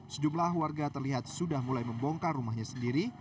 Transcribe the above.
sejumlah warga terlihat sudah mulai membongkar rumahnya sendiri